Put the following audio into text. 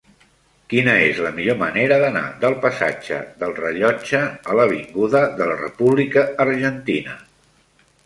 Quina és la millor manera d'anar del passatge del Rellotge a l'avinguda de la República Argentina?